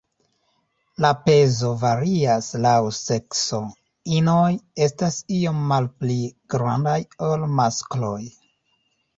La pezo varias laŭ sekso, inoj estas iom malpli grandaj ol maskloj.